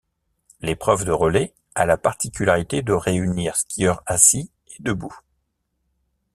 L'épreuve de relais a la particularité de réunir skieurs assis et debout.